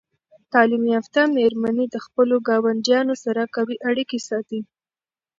تعلیم یافته میرمنې د خپلو ګاونډیانو سره قوي اړیکې ساتي.